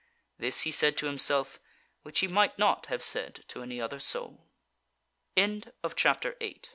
This he said to himself, which he might not have said to any other soul. CHAPTER 9 They Com